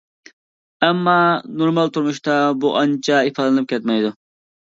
ئەمما نورمال تۇرمۇشتا بۇ ئانچە ئىپادىلىنىپ كەتمەيدۇ.